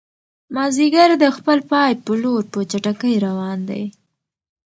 مازیګر د خپل پای په لور په چټکۍ روان دی.